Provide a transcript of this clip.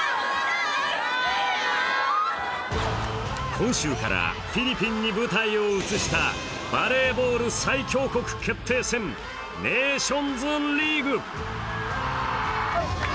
今週からフィリピンに舞台を移したバレーボール最強国決定戦ネーションズリーグ。